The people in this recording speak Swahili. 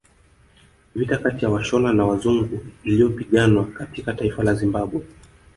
Vita kati ya Washona na wazungu iliyopiganwa katika taifa la Zimbabwe